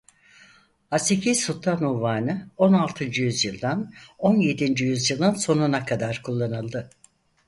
Haseki sultan unvanı on altıncı yüzyıldan on yedinci yüzyılın sonuna kadar kullanıldı.